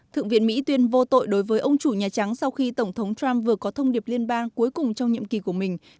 thượng viện mỹ tuyên vô tội đối với ông chủ nhà trắng sau khi tổng thống trump vừa có thông điệp liên bang cuối cùng trong nhiệm kỳ của mình